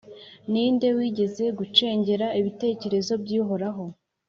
Ni nde wigeze gucengera ibitekerezo by’Uhoraho,